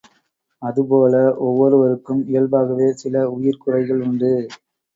அதுபோல ஒவ்வொருவருக்கும் இயல்பாகவே சில உயிர்க்குறைகள் உண்டு.